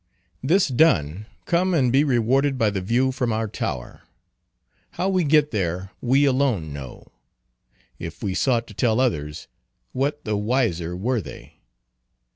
This done, come and be rewarded by the view from our tower. How we get there, we alone know. If we sought to tell others, what the wiser were they?